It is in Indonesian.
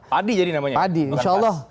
padi jadi namanya